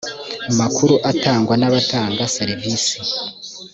makuru atangwa n abatanga serivisi